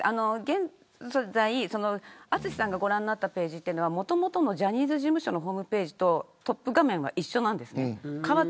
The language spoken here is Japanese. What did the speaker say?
現在、淳さんがご覧になったのはもともとのジャニーズ事務所のホームページとトップ画面は一緒なんです。